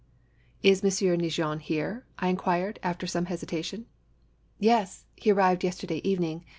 " Is Monsieur Neigeon here ?" I inquired, after some hesitation. "Yes; he arrived yesterday evening.